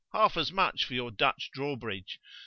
—half as much for your Dutch draw bridge?